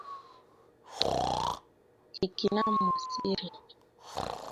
Kikinam wasiri